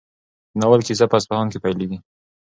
د ناول کیسه په اصفهان کې پیلېږي.